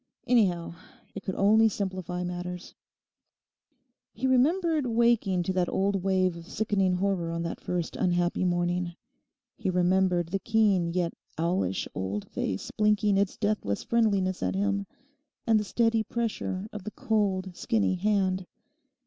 Anyhow, it could only simplify matters. He remembered waking to that old wave of sickening horror on the first unhappy morning; he remembered the keen yet owlish old face blinking its deathless friendliness at him, and the steady pressure of the cold, skinny hand.